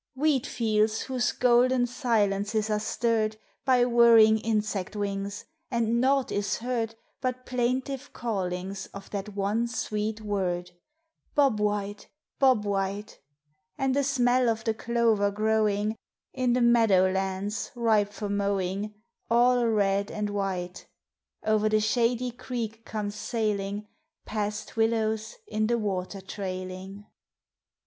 Wheat fields whose golden silences are stirred By whirring insect wings, and naught is heard But plaintive callings of that one sweet word, "Bob White! Bob White!" And a smell of the clover growing In the meadow lands ripe for mowing, All red and white. Over the shady creek comes sailing, Past willows in the water trailing.